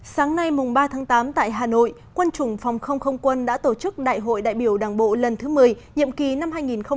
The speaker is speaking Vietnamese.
sáng nay mùng ba tháng tám tại hà nội quân chủng phòng không không quân đã tổ chức đại hội đại biểu đảng bộ lần thứ một mươi nhiệm kỳ năm hai nghìn hai mươi hai nghìn hai mươi năm